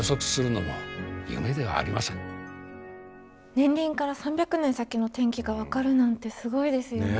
年輪から３００年先の天気が分かるなんてすごいですよね。